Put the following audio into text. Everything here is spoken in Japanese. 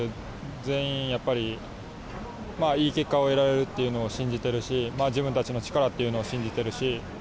全員やっぱりいい結果を得られるって信じてるし自分たちの力を信じているし。